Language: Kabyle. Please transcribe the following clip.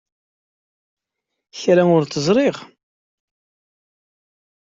Kra ur t-ẓriɣ.